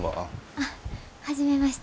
あっ初めまして。